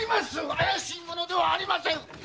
怪しい者ではありません！